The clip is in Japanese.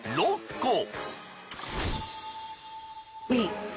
Ｂ。